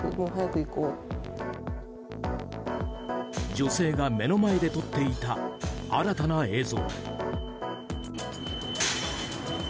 女性が目の前で撮っていた新たな映像。